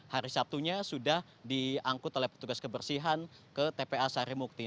hari sabtunya sudah diangkut oleh petugas kebersihan ke tpa sarimukti